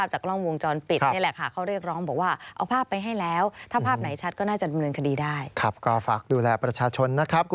ห้องชัดก็ไม่ได้มีดำเนินการอะไรเลย